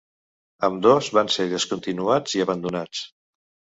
Ambdós van ser discontinuats i abandonats.